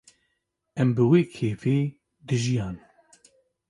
Em bi wê kêfê dijiyan